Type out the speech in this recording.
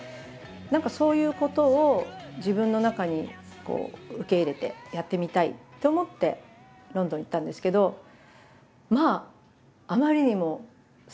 そういうことを自分の中に受け入れてやってみたいと思ってロンドン行ったんですけどまああまりにも世界はでかすぎて。